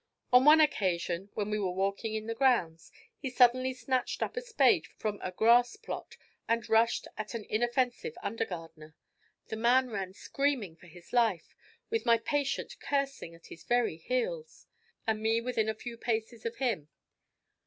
On one occasion when we were walking in the grounds, he suddenly snatched up a spade from a grass plot, and rushed at an inoffensive under gardener. The man ran screaming for his life, with my patient cursing at his very heels, and me within a few paces of him.